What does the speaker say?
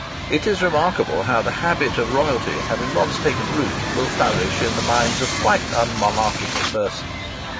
It is remarkable how the habit of royalty, having once taken root, will flourish in the minds of quite unmonarchical persons.